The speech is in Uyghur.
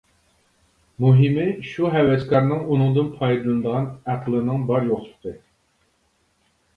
مۇھىمى شۇ ھەۋەسكارنىڭ ئۇنىڭدىن پايدىلىنىدىغان ئەقىلنىڭ بار يوقلۇقى.